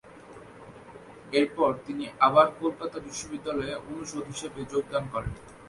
এর পর তিনি আবার কলকাতা বিশ্ববিদ্যালয়ে অনুষদ হিসাবে যোগদান করেন।